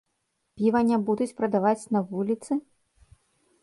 Піва не будуць прадаваць на вуліцы?